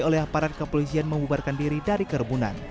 oleh aparat kepolisian membubarkan diri dari kerumunan